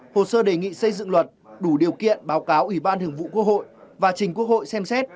hồ sơ đề nghị xây dựng luật đủ điều kiện báo cáo ủy ban thường vụ quốc hội và trình quốc hội xem xét